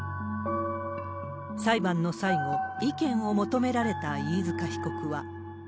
裁判の最後、意見を求められた飯塚被告は。